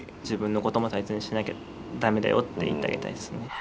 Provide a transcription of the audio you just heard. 自分のことも大切にしなきゃ駄目だよって言ってあげたいですね。